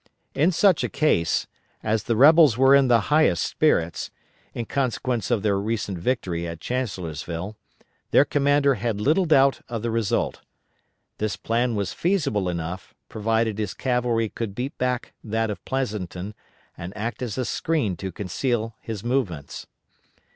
In such a case, as the rebels were in the highest spirits, in consequence of their recent victory at Chancellorsville, their commander had little doubt of the result. This plan was feasible enough, provided his cavalry could beat back that of Pleasonton and act as a screen to conceal his movements.